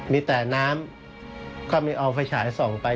มีแต่น้ำก็มีเอาไฟฉายส่องไป